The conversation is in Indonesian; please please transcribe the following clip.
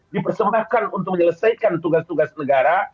dipersembahkan untuk menyelesaikan tugas tugas negara